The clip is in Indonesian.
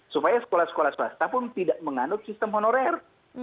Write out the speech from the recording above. supaya sekolah sekolah swasta pun tidak menganut sistem honorer